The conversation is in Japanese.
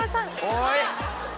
おい！